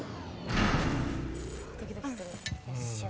ドキドキする。